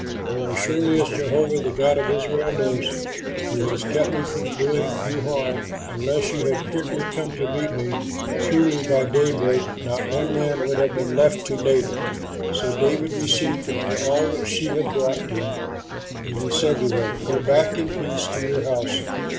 For as surely as Jehovah the God of Israel lives, who has kept me from doing you harm, unless you had quickly come to meet me, truly by daybreak not one man would have been left to Nabal." So David received from her all which she had brought him. And he said to her, "Go back in peace to your house.